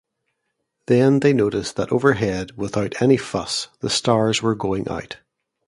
Then they notice that overhead, without any fuss, the stars were going out.